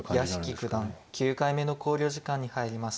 屋敷九段９回目の考慮時間に入りました。